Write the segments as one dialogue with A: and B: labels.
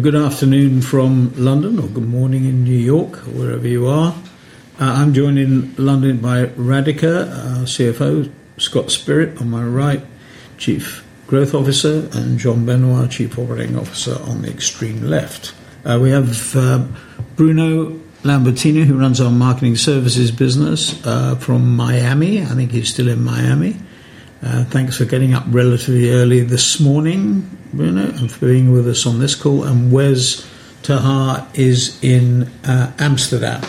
A: Good afternoon from London, or good morning in New York, wherever you are. I'm joined in London by Radhika, our Chief Financial Officer, Scott Spirit on my right, Chief Growth Officer, and Jean-Benoit Berty, Chief Operating Officer on the extreme left. We have Bruno Lambertino, who runs our Marketing Services business from Miami. I think he's still in Miami. Thanks for getting up relatively early this morning, Bruno, and for being with us on this call. Wes ter Haar is in Amsterdam.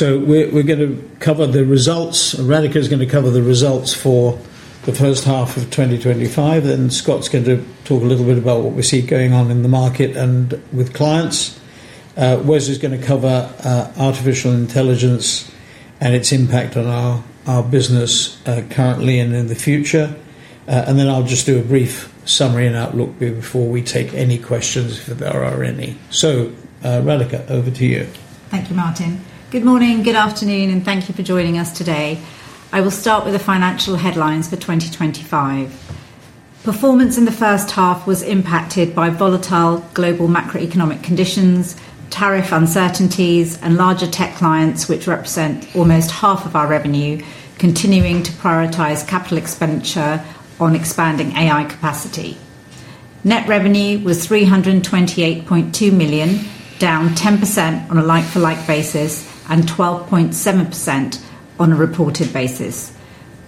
A: We are going to cover the results. Radhika is going to cover the results for the first half of 2025, and Scott's going to talk a little bit about what we see going on in the market and with clien ts. Wesley is going to cover artificial intelligence and its impact on our business currently and in the future. I'll just do a brief summary and outlook before we take any questions if there are any. Radhika, over to you.
B: Thank you, Martin. Good morning, good afternoon, and thank you for joining us today. I will start with the financial headlines for 2025. Performance in the first half was impacted by volatile global macroeconomic conditions, tariff uncertainties, and larger tech clients, which represent almost half of our revenue, continuing to prioritize capital expenditure on expanding AI capacity. Net revenue was 328.2 million, down 10% on a like-for-like basis and 12.7% on a reported basis.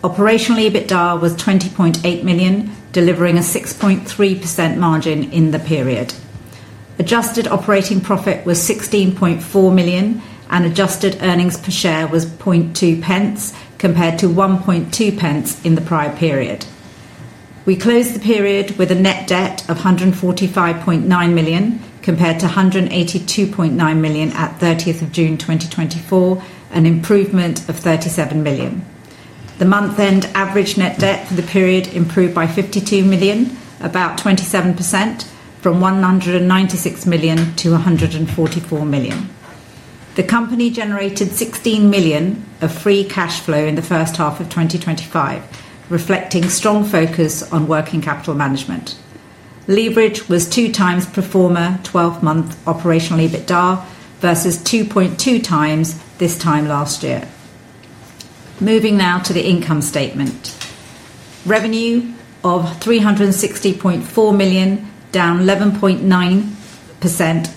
B: Operational EBITDA was 20.8 million, delivering a 6.3% margin in the period. Adjusted operating profit was 16.4 million, and adjusted earnings per share was 0.002 compared to 0.012 in the prior period. We closed the period with a net debt of 145.9 million compared to 182.9 million at 30th of June 2024, an improvement of 37 million. The month-end average net debt for the period improved by 52 million, about 27%, from 196 million to 144 million. The company generated 16 million of free cash flow in the first half of 2025, reflecting strong focus on working capital management. Leverage was 2x pro forma 12-month operational EBITDA versus 2.2x this time last year. Moving now to the income statement. Revenue of 360.4 million, down 11.9%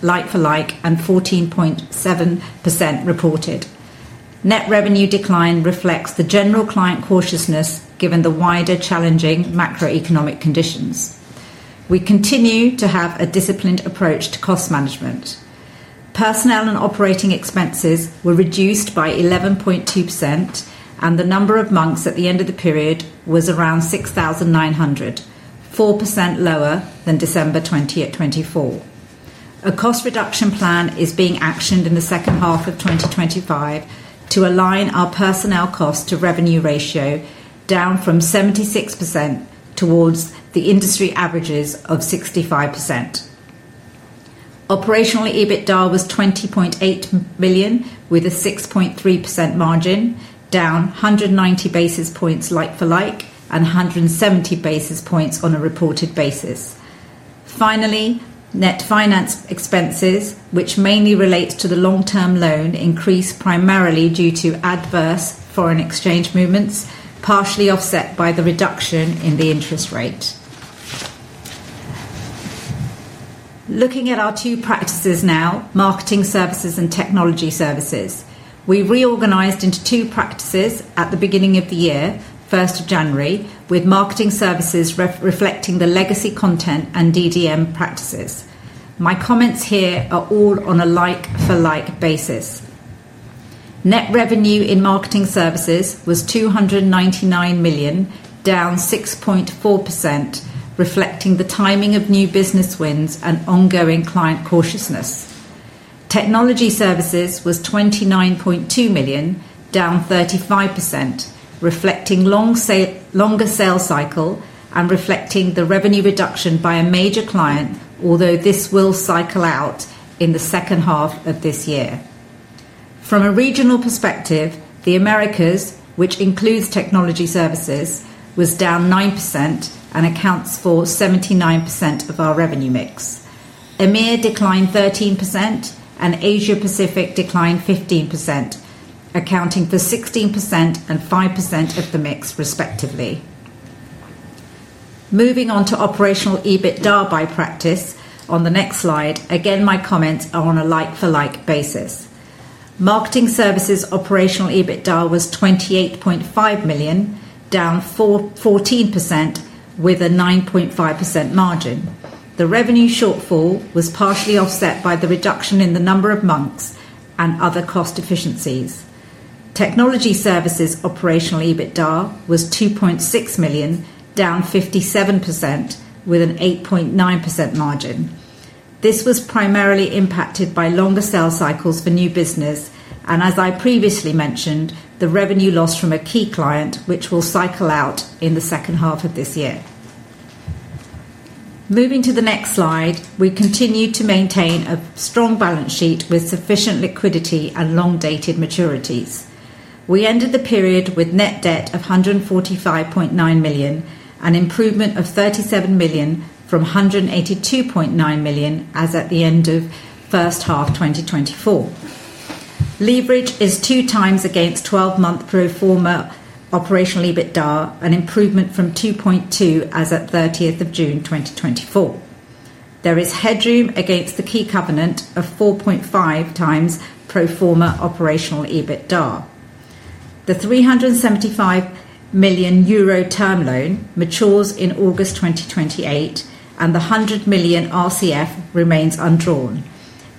B: like-for-like and 14.7% reported. Net revenue decline reflects the general client cautiousness given the wider challenging macroeconomic conditions. We continue to have a disciplined approach to cost management. Personnel and operating expenses were reduced by 11.2%, and the number of Monks at the end of the period was around 6,900, 4% lower than December 2024. A cost reduction plan is being actioned in the second half of 2025 to align our personnel cost to revenue ratio, down from 76% towards the industry averages of 65%. Operational EBITDA was 20.8 million with a 6.3% margin, down 190 basis points like-for-like and 170 basis points on a reported basis. Finally, net finance expenses, which mainly relate to the long-term loan, increased primarily due to adverse foreign exchange movements, partially offset by the reduction in the interest rate. Looking at our two practices now, Marketing Services and Technology Services, we reorganized into two practices at the beginning of the year, 1st of January, with Marketing Services reflecting the legacy Content and Data & Digital Media practices. My comments here are all on a like-for-like basis. Net revenue in Marketing Services was 299 million, down 6.4%, reflecting the timing of new business wins and ongoing client cautiousness. Technology Services was 29.2 million, down 35%, reflecting a longer sales cycle and reflecting the revenue reduction by a major client, although this will cycle out in the second half of this year. From a regional perspective, the Americas, which includes Technology Services, was down 9% and accounts for 79% of our revenue mix. EMEA declined 13% and Asia-Pacific declined 15%, accounting for 16% and 5% of the mix, respectively. Moving on to operational EBITDA by practice, on the next slide, again my comments are on a like-for-like basis. Marketing Services operational EBITDA was 28.5 million, down 14% with a 9.5% margin. The revenue shortfall was partially offset by the reduction in the number of Monks and other cost efficiencies. Technology Services operational EBITDA was 2.6 million, down 57% with an 8.9% margin. This was primarily impacted by longer sales cycles for new business, and as I previously mentioned, the revenue lost from a key client, which will cycle out in the second half of this year. Moving to the next slide, we continue to maintain a strong balance sheet with sufficient liquidity and long-dated maturities. We ended the period with net debt of 145.9 million and an improvement of 37 million from 182.9 million as at the end of first half 2024. Leverage is 2x against 12-month pro forma operational EBITDA and an improvement from 2.2x as at 30th of June 2024. There is headroom against the key covenant of 4.5x pro forma operational EBITDA. The 375 million euro term loan matures in August 2028, and the 100 million RCF remains undrawn,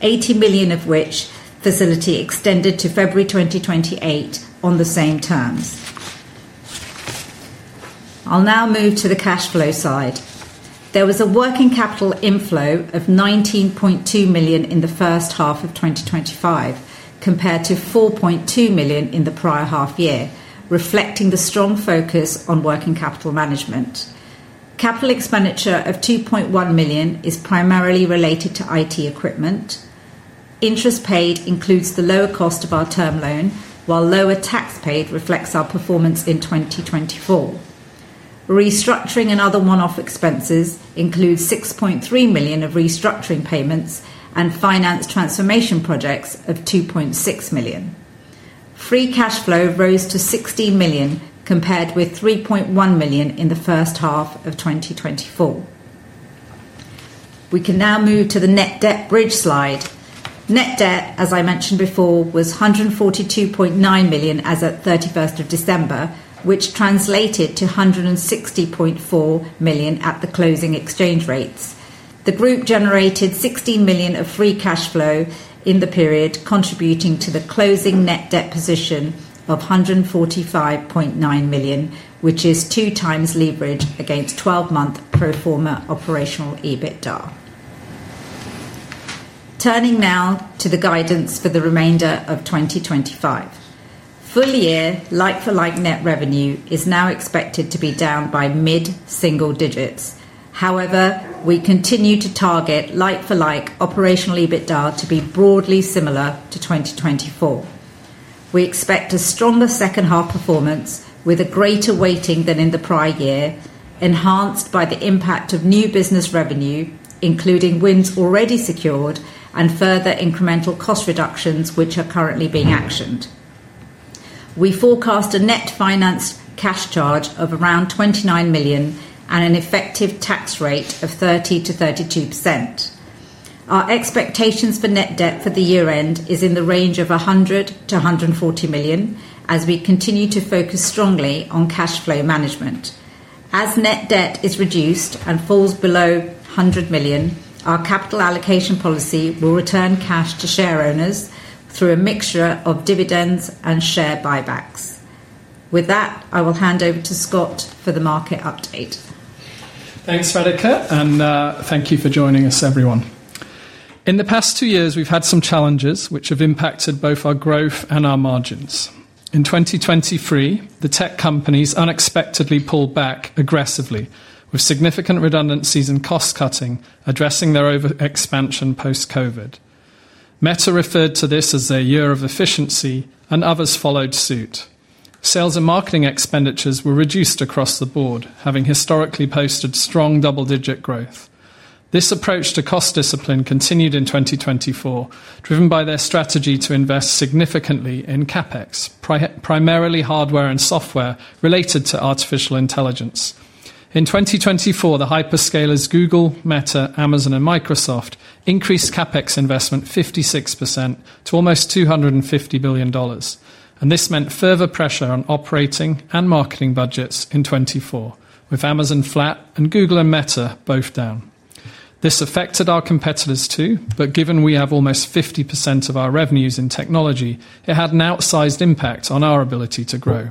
B: 80 million of which facility extended to February 2028 on the same terms. I'll now move to the cash flow side. There was a working capital inflow of 19.2 million in the first half of 2025, compared to 4.2 million in the prior half year, reflecting the strong focus on working capital management. Capital expenditure of 2.1 million is primarily related to IT equipment. Interest paid includes the lower cost of our term loan, while lower tax paid reflects our performance in 2024. Restructuring and other one-off expenses include 6.3 million of restructuring payments and finance transformation projects of 2.6 million. Free cash flow rose to 16 million compared with 3.1 million in the first half of 2024. We can now move to the net debt bridge slide. Net debt, as I mentioned before, was GBP 142.9 million as at 31st of December, which translated to 160.4 million at the closing exchange rates. The group generated 16 million of free cash flow in the period, contributing to the closing net debt position of 145.9 million, which is 2x leverage against 12-month pro forma operational EBITDA. Turning now to the guidance for the remainder of 2025. Full-year like-for-like net revenue is now expected to be down by mid-single digits. However, we continue to target like-for-like operational EBITDA to be broadly similar to 2024. We expect a stronger second-half performance with a greater weighting than in the prior year, enhanced by the impact of new business revenue, including wins already secured and further incremental cost reductions, which are currently being actioned. We forecast a net finance cash charge of around 29 million and an effective tax rate of 30%-32%. Our expectations for net debt for the year-end is in the range of 100-140 million, as we continue to focus strongly on cash flow management. As net debt is reduced and falls below 100 million, our capital allocation policy will return cash to share owners through a mixture of dividends and share buybacks. With that, I will hand over to Scott for the market update.
C: Thanks, Radhika, and thank you for joining us, everyone. In the past two years, we've had some challenges which have impacted both our growth and our margins. In 2023, the tech companies unexpectedly pulled back aggressively with significant redundancies and cost cutting, addressing their over-expansion post-COVID. Meta referred to this as their year of efficiency, and others followed suit. Sales and marketing expenditures were reduced across the board, having historically posted strong double-digit growth. This approach to cost discipline continued in 2024, driven by their strategy to invest significantly in CapEx, primarily hardware and software related to artificial intelligence. In 2024, the hyperscalers Google, Meta, Amazon, and Microsoft increased CapEx investment 56% to almost $250 billion, and this meant further pressure on operating and marketing budgets in 2024, with Amazon flat and Google and Meta both down. This affected our competitors too, given we have almost 50% of our revenues in technology, it had an outsized impact on our ability to grow.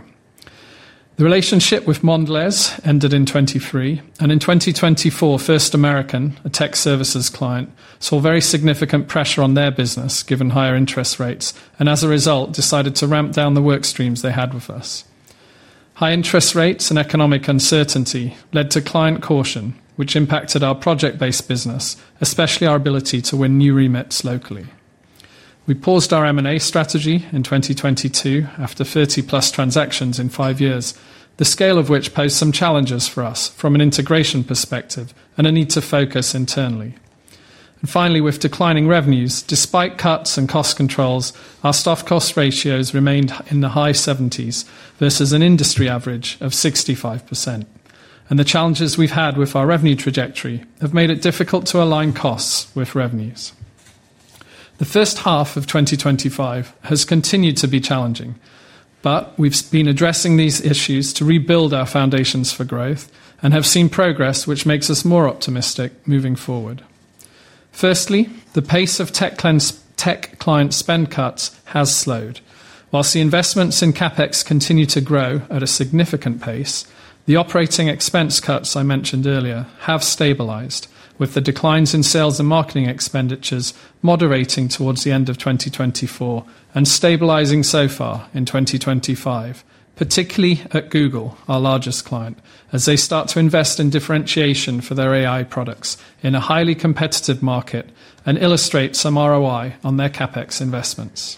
C: The relationship with Mondelez ended in 2023, and in 2024, First American, a tech services client, saw very significant pressure on their business given higher interest rates, and as a result, decided to ramp down the work streams they had with us. High interest rates and economic uncertainty led to client caution, which impacted our project-based business, especially our ability to win new remits locally. We paused our M&A strategy in 2022 after 30 plus transactions in five years, the scale of which posed some challenges for us from an integration perspective and a need to focus internally. Finally, with declining revenues, despite cuts and cost controls, our staff cost ratios remained in the high 70% versus an industry average of 65%. The challenges we've had with our revenue trajectory have made it difficult to align costs with revenues. The first half of 2025 has continued to be challenging, but we've been addressing these issues to rebuild our foundations for growth and have seen progress, which makes us more optimistic moving forward. Firstly, the pace of tech client spend cuts has slowed. Whilst the investments in CapEx continue to grow at a significant pace, the operating expense cuts I mentioned earlier have stabilized, with the declines in sales and marketing expenditures moderating towards the end of 2024 and stabilizing so far in 2025, particularly at Google, our largest client, as they start to invest in differentiation for their AI products in a highly competitive market and illustrate some ROI on their CapEx investments.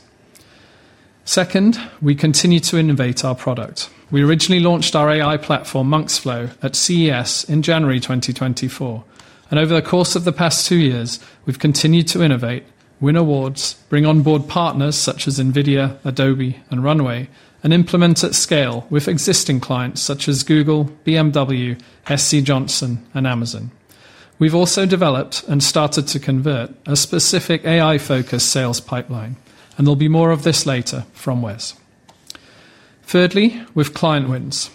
C: Second, we continue to innovate our product. We originally launched our AI platform, Monks.Flow, at CES in January 2024, and over the course of the past two years, we've continued to innovate, win awards, bring on board partners such as NVIDIA, Adobe, and Runway, and implement at scale with existing clients such as Google, BMW, SC Johnson, and Amazon. We've also developed and started to convert a specific AI-focused sales pipeline, and there'll be more of this later from Wes. Thirdly, with client wins,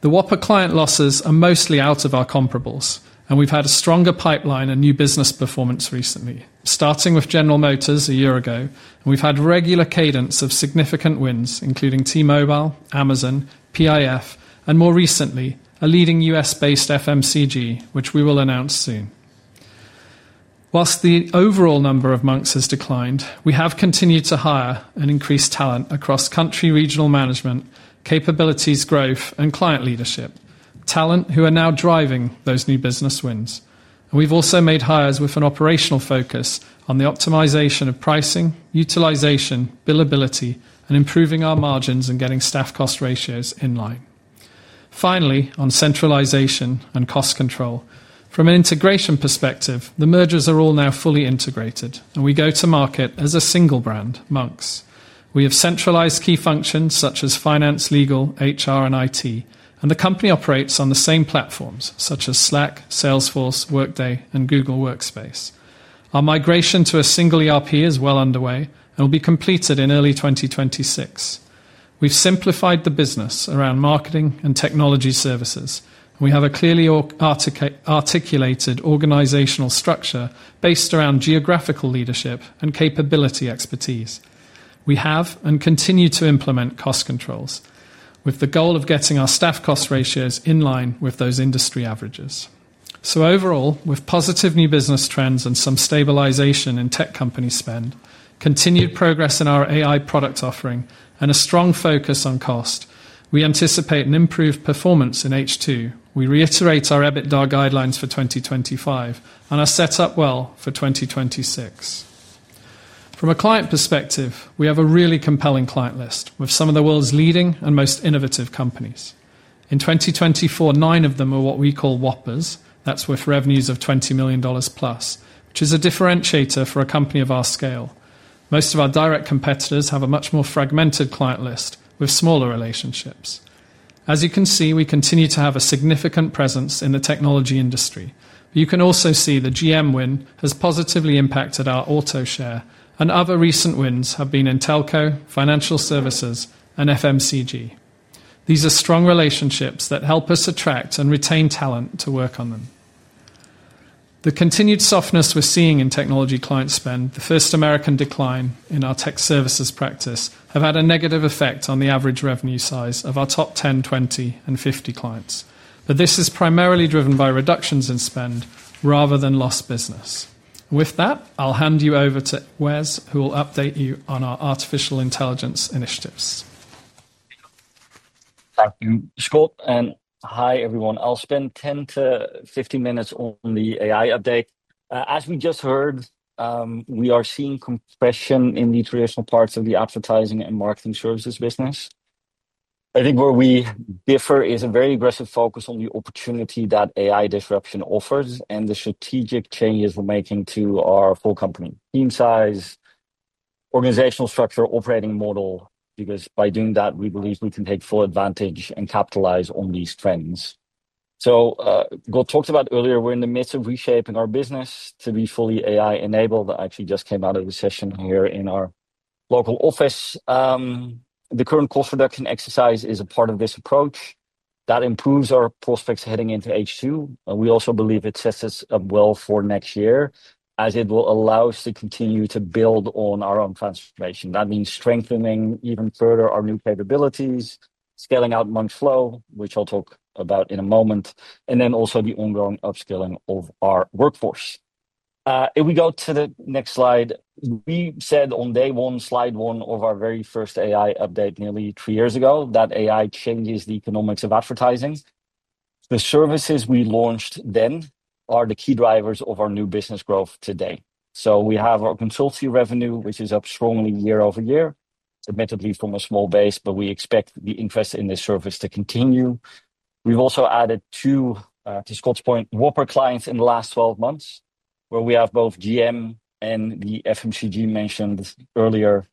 C: the WAPA client losses are mostly out of our comparables, and we've had a stronger pipeline and new business performance recently, starting with General Motors a year ago, and we've had regular cadence of significant wins, including T-Mobile, Amazon, PIF, and more recently, a leading U.S.-based FMCG, which we will announce soon. Whilst the overall number of Monks has declined, we have continued to hire and increase talent across country regional management, capabilities growth, and client leadership, talent who are now driving those new business wins. We've also made hires with an operational focus on the optimization of pricing, utilization, billability, and improving our margins and getting staff cost ratios in line. Finally, on centralization and cost control, from an integration perspective, the mergers are all now fully integrated, and we go to market as a single brand, Monks. We have centralized key functions such as finance, legal, HR, and IT, and the company operates on the same platforms such as Slack, Salesforce, Workday, and Google Workspace. Our migration to a single ERP is well underway and will be completed in early 2026. We've simplified the business around Marketing Services and Technology Services, and we have a clearly articulated organizational structure based around geographical leadership and capability expertise. We have and continue to implement cost controls with the goal of getting our staff cost ratios in line with those industry averages. Overall, with positive new business trends and some stabilization in tech company spend, continued progress in our AI product offering, and a strong focus on cost, we anticipate an improved performance in H2. We reiterate our EBITDA guidelines for 2025 and are set up well for 2026. From a client perspective, we have a really compelling client list with some of the world's leading and most innovative companies. In 2024, nine of them are what we call WAPAs, that's with revenues of $20 million plus, which is a differentiator for a company of our scale. Most of our direct competitors have a much more fragmented client list with smaller relationships. As you can see, we continue to have a significant presence in the technology industry. You can also see the General Motors win has positively impacted our auto share, and other recent wins have been in telco, financial services, and FMCG. These are strong relationships that help us attract and retain talent to work on them. The continued softness we're seeing in technology client spend, the First American decline in our Technology Services practice, have had a negative effect on the average revenue size of our top 10, 20, and 50 clients, but this is primarily driven by reductions in spend rather than lost business. With that, I'll hand you over to Wes, who will update you on our artificial intelligence initiatives.
D: Thank you, Scott, and hi everyone. I'll spend 10-15 minutes on the AI update. As we just heard, we are seeing compression in the traditional parts of the advertising and marketing services business. I think where we differ is a very aggressive focus on the opportunity that AI disruption offers and the strategic changes we're making to our full company, team size, organizational structure, operating model, because by doing that, we believe we can take full advantage and capitalize on these trends. As Scott talked about earlier, we're in the midst of reshaping our business to be fully AI-enabled. I actually just came out of a session here in our local office. The current cost reduction exercise is a part of this approach that improves our prospects heading into H2, and we also believe it sets us up well for next year as it will allow us to continue to build on our own transformation. That means strengthening even further our new capabilities, scaling out Monks.Flow, which I'll talk about in a moment, and then also the ongoing upskilling of our workforce. If we go to the next slide, we said on day one, slide one of our very first AI update nearly three years ago, that AI changes the economics of advertising. The services we launched then are the key drivers of our new business growth today. We have our consultancy revenue, which is up strongly year over year, admittedly from a small base, but we expect the interest in this service to continue. We've also added to, to Scott's point, WAPA clients in the last 12 months, where we have both General Motors and the FMCG mentioned earlier,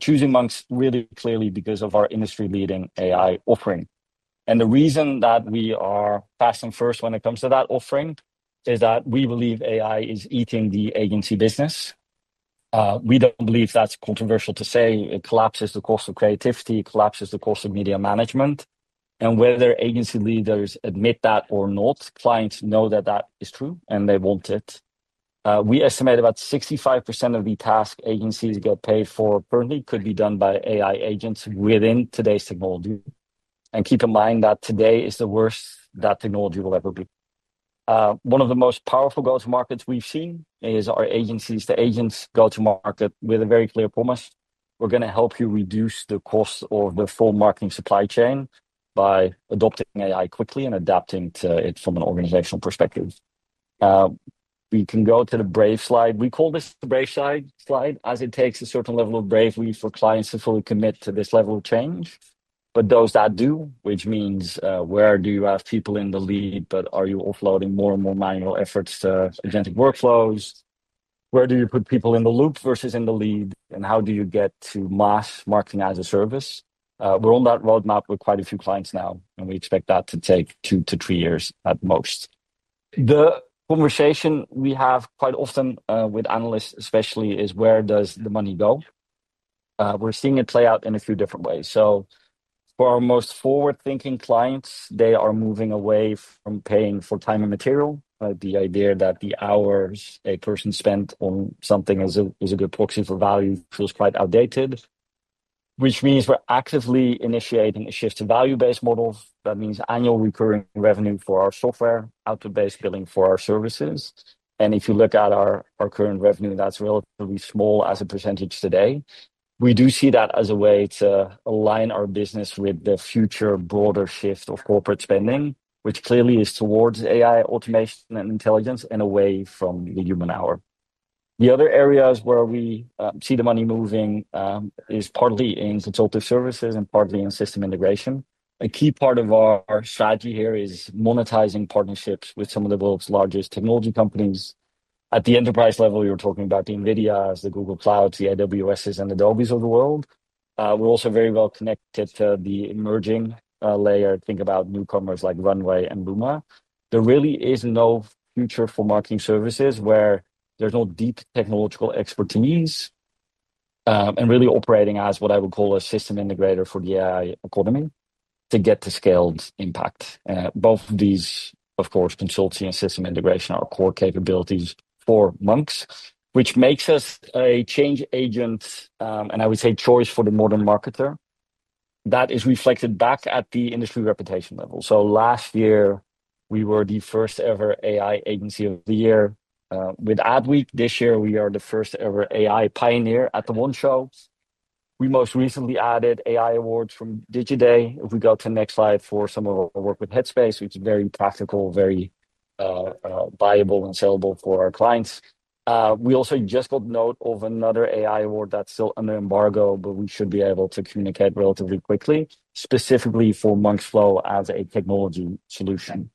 D: choosing Monks really clearly because of our industry-leading AI offering. The reason that we are fast and first when it comes to that offering is that we believe AI is eating the agency business. We don't believe that's controversial to say it collapses the cost of creativity, it collapses the cost of media management, and whether agency leaders admit that or not, clients know that that is true and they want it. We estimate about 65% of the tasks agencies get paid for currently could be done by AI agents within today's technology. Keep in mind that today is the worst that technology will ever be. One of the most powerful go-to-markets we've seen is our agencies, the agents go to market with a very clear promise. We're going to help you reduce the cost of the full marketing supply chain by adopting AI quickly and adapting to it from an organizational perspective. We can go to the brave slide. We call this the brave slide as it takes a certain level of bravery for clients to fully commit to this level of change. Those that do, which means where do you have people in the lead, but are you offloading more and more manual efforts to agentic workflows? Where do you put people in the loop versus in the lead, and how do you get to mass marketing as a service? We're on that roadmap with quite a few clients now, and we expect that to take two to three years at most. The conversation we have quite often with analysts, especially, is where does the money go? We're seeing it play out in a few different ways. For our most forward-thinking clients, they are moving away from paying for time and material. The idea that the hours a person spent on something is a good proxy for value feels quite outdated, which means we're actively initiating a shift to value-based models. That means annual recurring revenue for our software, out-of-base billing for our services. If you look at our current revenue, that's relatively small as a percentage today. We do see that as a way to align our business with the future broader shift of corporate spending, which clearly is towards AI automation and intelligence and away from the human hour. The other areas where we see the money moving is partly in consultative services and partly in system integration. A key part of our strategy here is monetizing partnerships with some of the world's largest technology companies. At the enterprise level, you're talking about the NVIDIAs, the Google Clouds, the AWSs, and the Adobes of the world. We're also very well connected to the emerging layer. Think about newcomers like Runway and Luma. There really is no future for Marketing Services where there's no deep technological expertise and really operating as what I would call a system integrator for the AI economy to get to scaled impact. Both of these, of course, consultancy and system integration are core capabilities for Monks, which makes us a change agent, and I would say choice for the modern marketer. That is reflected back at the industry reputation level. Last year, we were the first ever AI Agency of the Year with Adweek. This year, we are the first ever AI Pioneer at the One Show. We most recently added AI awards from Digiday. If we go to the next slide for some of our work with Headspace, which is very practical, very viable, and sellable for our clients. We also just got note of another AI award that's still under embargo, but we should be able to communicate relatively quickly, specifically for Monks.Flow as a technology solution.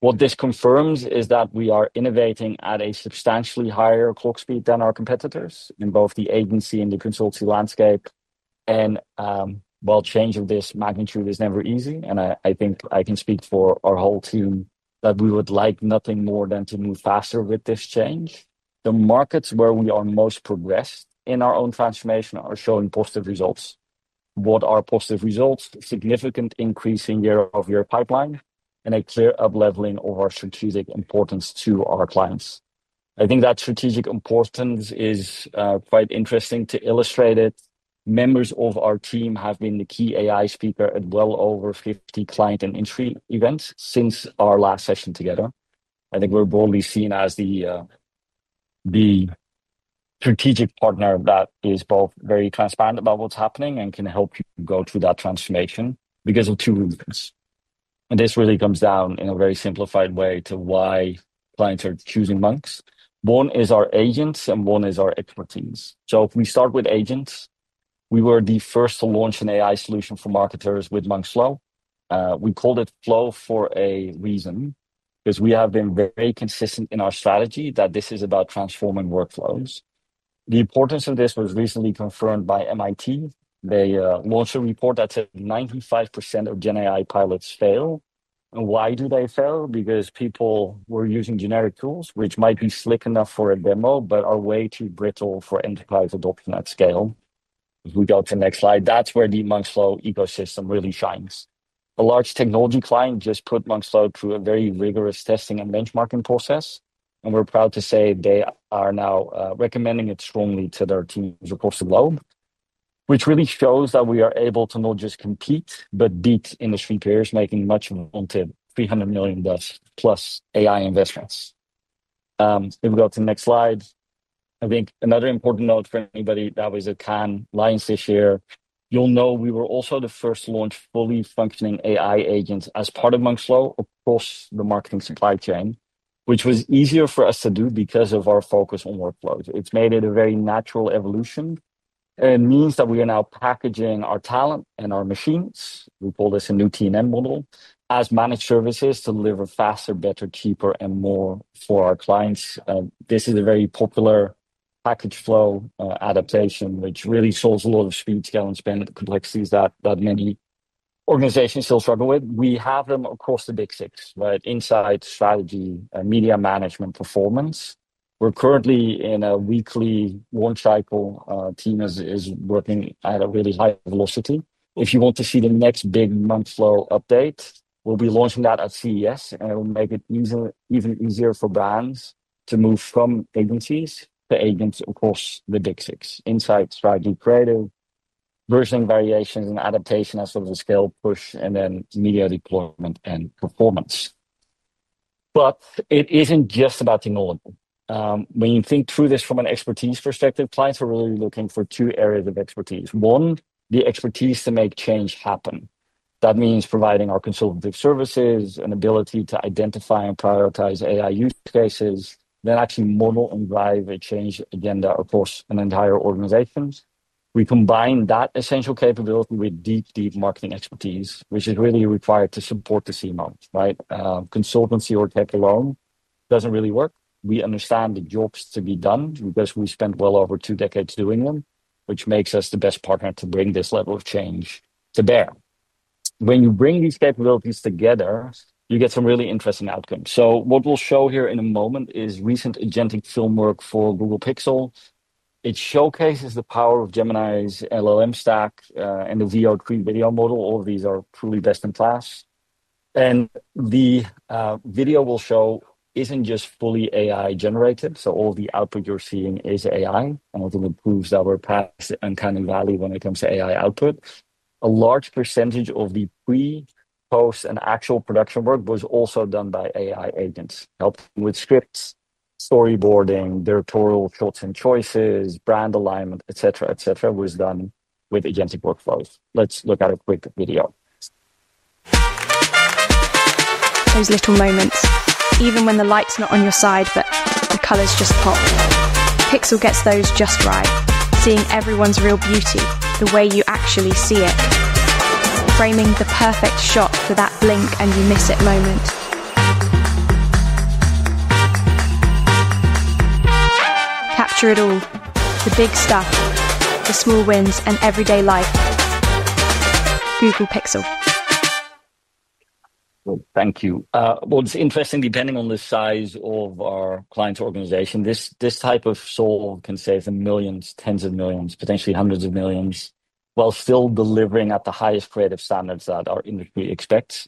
D: What this confirms is that we are innovating at a substantially higher clock speed than our competitors in both the agency and the consultancy landscape. While change of this magnitude is never easy, I think I can speak for our whole team that we would like nothing more than to move faster with this change. The markets where we are most progressed in our own transformation are showing positive results. What are positive results? Significant increase in year-over-year pipeline and a clear up-leveling of our strategic importance to our clients. I think that strategic importance is quite interesting to illustrate. Members of our team have been the key AI speaker at well over 50 client and industry events since our last session together. I think we're broadly seen as the strategic partner that is both very transparent about what's happening and can help go through that transformation because of two reasons. This really comes down in a very simplified way to why clients are choosing Monks. One is our agents and one is our expertise. If we start with agents, we were the first to launch an AI solution for marketers with Monks.Flow. We called it Flow for a reason because we have been very consistent in our strategy that this is about transforming workflows. The importance of this was recently confirmed by MIT. They launched a report that said 95% of GenAI pilots fail. Why do they fail? Because people were using generic tools, which might be slick enough for a demo, but are way too brittle for enterprise adoption at scale. If we go to the next slide, that's where the Monks.Flow ecosystem really shines. A large technology client just put Monks.Flow through a very rigorous testing and benchmarking process, and we're proud to say they are now recommending it strongly to their teams across the globe, which really shows that we are able to not just compete, but beat industry peers, making much wanted $300+ million AI investments. If we go to the next slide, I think another important note for anybody that was at Cannes Lions this year, you'll know we were also the first to launch fully functioning AI agents as part of Monks.Flow across the marketing supply chain, which was easier for us to do because of our focus on workflows. It's made it a very natural evolution, and it means that we are now packaging our talent and our machines. We call this a new T&M model as managed services to deliver faster, better, cheaper, and more for our clients. This is a very popular package flow adaptation, which really shows a lot of speed, scale, and spend complexities that many organizations still struggle with. We have them across the big six, right? Insights, strategy, media management, performance. We're currently in a weekly launch cycle. Our team is working at a really high velocity. If you want to see the next big Monks.Flow update, we'll be launching that at CES, and it'll make it even easier for brands to move from agencies to agents across the big six. Insights, strategy, creative, version, variations, and adaptation as well as a scale push and then media deployment and performance. It isn't just about technology. When you think through this from an expertise perspective, clients are really looking for two areas of expertise. One, the expertise to make change happen. That means providing our consultative services, an ability to identify and prioritize AI use cases, then actually model and drive a change agenda across an entire organization. We combine that essential capability with deep, deep marketing expertise, which is really required to support the C model, right? Consultancy or tech alone doesn't really work. We understand the jobs to be done because we spent well over two decades doing them, which makes us the best partner to bring this level of change to bear. When you bring these capabilities together, you get some really interesting outcomes. What we'll show here in a moment is recent agentic film work for Google Pixel. It showcases the power of Gemini's LLM stack and the VO2 video model. All of these are truly best in class. The video we'll show isn't just fully AI generated. All the output you're seeing is AI, and I think it proves that we're past uncanny valley when it comes to AI output. A large percentage of the pre, post, and actual production work was also done by AI agents. Help with scripts, storyboarding, their total shots and choices, brand alignment, et cetera, et cetera, was done with agentic workflows. Let's look at a quick video.
E: Those little moments, even when the light's not on your side, but the colors just pop. Google Pixel gets those just right, seeing everyone's real beauty, the way you actually see it, framing the perfect shot for that blink and you miss it moment. Capture it all, the big stuff, the small wins, and everyday life. Google Pixel.
D: Thank you. What's interesting, depending on the size of our client's organization, this type of solution can save them millions, tens of millions, potentially hundreds of millions, while still delivering at the highest creative standards that our industry expects.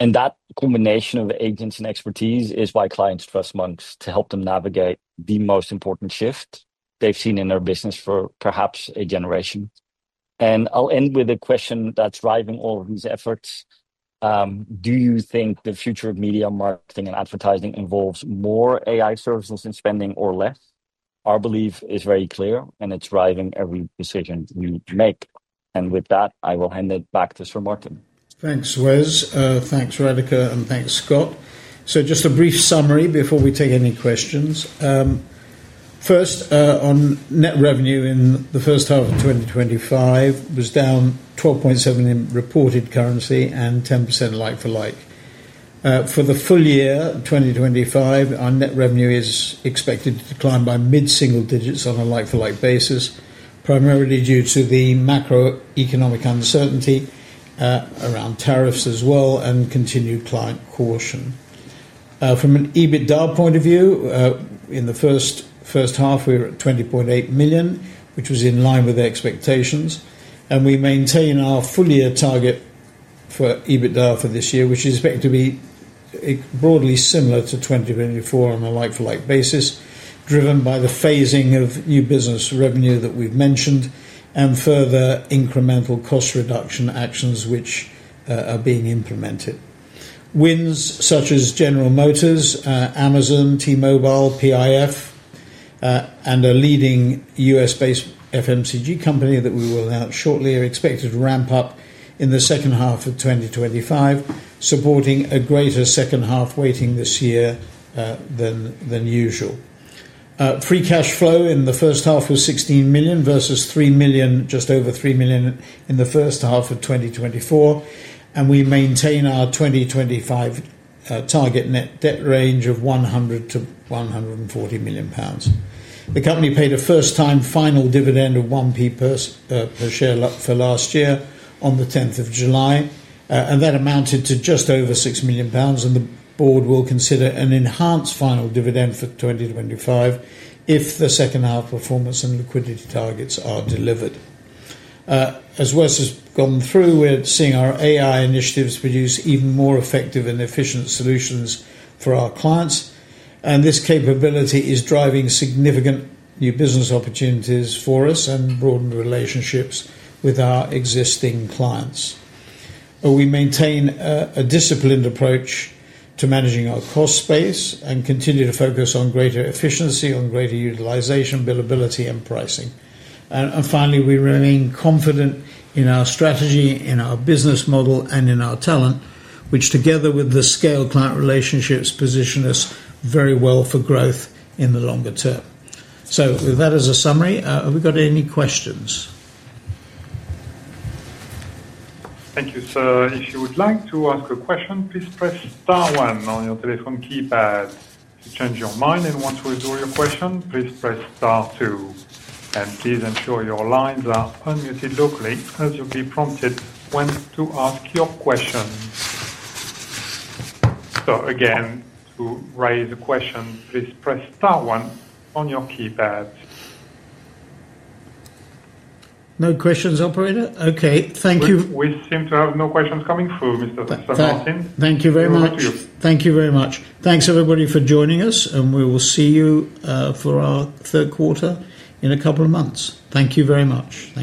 D: That combination of agents and expertise is why clients trust Monks to help them navigate the most important shift they've seen in their business for perhaps a generation. I'll end with a question that's driving all of these efforts. Do you think the future of media marketing and advertising involves more AI services and spending or less? Our belief is very clear, and it's driving every decision we make. With that, I will hand it back to Sir Martin.
A: Thanks, Wes. Thanks, Radhika, and thanks, Scott. Just a brief summary before we take any questions. First, on net revenue in the first half of 2025, it was down 12.7% in reported currency and 10% in like-for-like. For the full year 2025, our net revenue is expected to decline by mid-single digits on a like-for-like basis, primarily due to the macroeconomic uncertainty around tariffs as well as continued client caution. From an EBITDA point of view, in the first half, we were at 20.8 million, which was in line with expectations. We maintain our full-year target for EBITDA for this year, which is expected to be broadly similar to 2024 on a like-for-like basis, driven by the phasing of new business revenue that we've mentioned and further incremental cost reduction actions which are being implemented. Wins such as General Motors, Amazon, T-Mobile, PIF, and a leading U.S.-based FMCG company that we will announce shortly are expected to ramp up in the second half of 2025, supporting a greater second half weighting this year than usual. Free cash flow in the first half was £16 million versus just over 3 million in the first half of 2024. We maintain our 2025 target net debt range of 100 million-140 million pounds. The company paid a first-time final dividend of 0.01 per share for last year on the 10th of July, and that amounted to just over 6 million pounds. The board will consider an enhanced final dividend for 2025 if the second-half performance and liquidity targets are delivered. As Wes has gone through, we're seeing our AI initiatives produce even more effective and efficient solutions for our clients. This capability is driving significant new business opportunities for us and broadened relationships with our existing clients. We maintain a disciplined approach to managing our cost base and continue to focus on greater efficiency, greater utilization, billability, and pricing. Finally, we remain confident in our strategy, in our business model, and in our talent, which together with the scale client relationships position us very well for growth in the longer term. With that as a summary, have we got any questions?
F: Thank you, sir. If you would like to ask a question, please press star one on your telephone keypad. If you change your mind and want to withdraw your question, please press star two. Please ensure your lines are unmuted locally as you'll be prompted when to ask your question. To raise a question, please press star one on your keypad.
A: No questions, operator. Okay, thank you.
F: We seem to have no questions coming through, Sir Martin.
A: Thank you very much. Thank you very much. Thanks everybody for joining us, and we will see you for our third quarter in a couple of months. Thank you very much. Thank you.